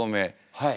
はい。